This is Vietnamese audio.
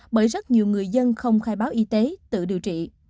bởi rất nhiều người dân không khai báo y tế tự điều trị